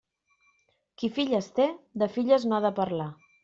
Qui filles té, de filles no ha de parlar.